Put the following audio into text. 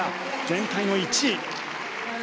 全体の１位。